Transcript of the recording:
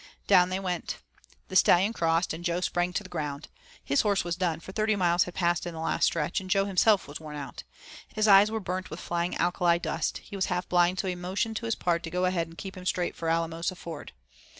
Down they went. The Stallion crossed and Jo sprang to the ground. His horse was done, for thirty miles had passed in the last stretch, and Jo himself was worn out. His eyes were burnt with flying alkali dust. He was half blind so he motioned to his 'pard' to "go ahead and keep him straight for Alamosa ford."